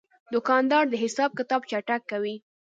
دوکاندار د حساب کتاب چټک کوي.